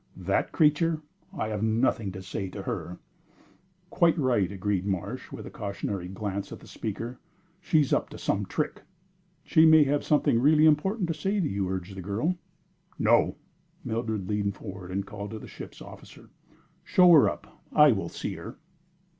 "That creature? I have nothing to say to her." "Quite right!" agreed Marsh, with a cautionary glance at the speaker. "She is up to some trick." "She may have something really important to say to you," urged the girl. "No." Mildred leaned forward, and called to the ship's officer: "Show her up. I will see her."